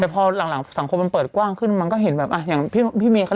ก็เหมือนตื่นแต่อะไรเอ๊ชุธิมาเหรอ